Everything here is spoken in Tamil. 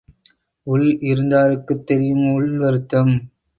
உள் இருந்தாருக்குத் தெரியும் உள் வருத்தம்.